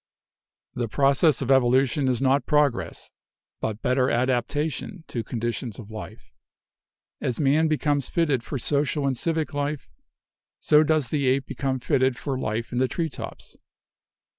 "The process of evolution is not progress, but better adaptation to conditions of life. As man becomes fitted for social and civic life, so does the ape become fitted for life in the tree tops.